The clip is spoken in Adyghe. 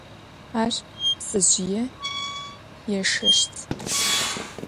Ar ptsezjıê yêşşeşt.